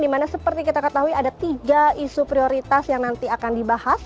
dimana seperti kita ketahui ada tiga isu prioritas yang nanti akan dibahas